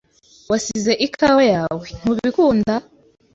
Wasize ikawa yawe. Ntubikunda?